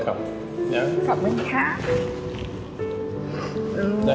ขอบคุณค่ะ